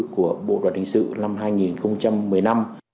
của bộ đoàn thánh sự năm hai nghìn một mươi năm